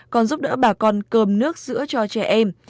còn giúp đỡ bà con cơm nước giữa cho trẻ em